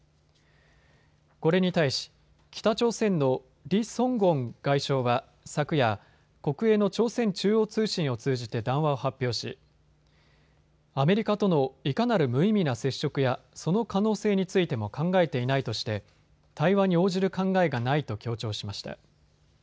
これに対し北朝鮮のリ・ソングォン外相は昨夜、国営の朝鮮中央通信を通じて談話を発表しアメリカとの、いかなる無意味な接触やその可能性についても考えていないとして対話に応じる考えがないと強調しました。